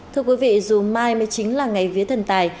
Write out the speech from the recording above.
thưa quý vị dù mai mới chính là ngày vía thần tài